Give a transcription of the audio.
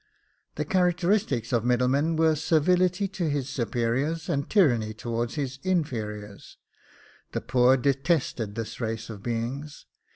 The characteristics of a middleman were servility to his superiors and tyranny towards his inferiors: the poor detested this race of beings.